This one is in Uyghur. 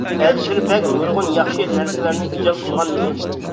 ئەلىشىر بەگ نۇرغۇن ياخشى نەرسىلەرنى ئىجاد قىلغان ئىدى.